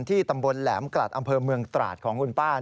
ตำบลแหลมกลัดอำเภอเมืองตราดของคุณป้า